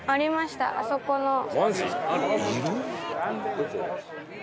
「どこ？」